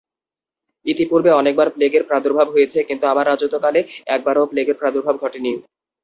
ইতিপূর্বে অনেকবার প্লেগের প্রাদুর্ভাব হয়েছে, কিন্তু আমার রাজত্বকালে একবারও প্লেগের প্রাদুর্ভাব ঘটেনি।